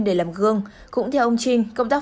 để làm gương cũng theo ông trinh công tác